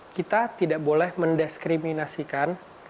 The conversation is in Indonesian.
kita tidak boleh mendiskriminasikan